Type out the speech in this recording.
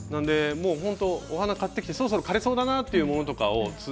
お花を買ってきてそろそろ枯れそうだなというもの